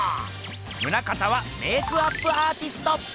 棟方はメークアップアーティスト！